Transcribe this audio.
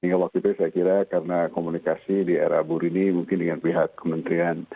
hingga waktu itu saya kira karena komunikasi di era bu rini mungkin dengan pihak kementerian